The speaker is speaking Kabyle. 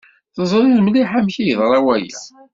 Teẓriḍ mliḥ amek ay yeḍra waya.